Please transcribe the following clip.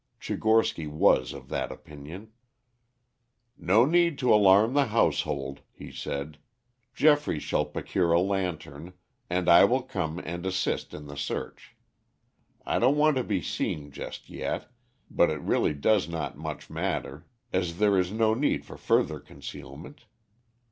Tchigorsky was of that opinion. "No need to alarm the household," he said. "Geoffrey shall procure a lantern, and I will come and assist in the search. I don't want to be seen just yet; but it really does not much matter, as there is no need for further concealment.